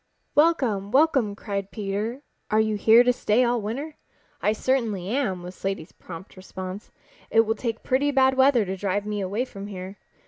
"Welcome! Welcome!" cried Peter. "Are you here to stay all winter?" "I certainly am," was Slaty's prompt response. "It will take pretty bad weather to drive me away from here.